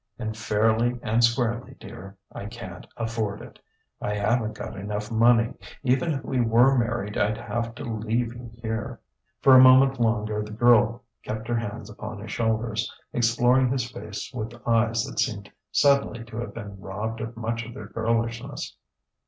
"And, fairly and squarely, dear, I can't afford it. I haven't got enough money. Even if we were married, I'd have to leave you here." For a moment longer the girl kept her hands upon his shoulders, exploring his face with eyes that seemed suddenly to have been robbed of much of their girlishness.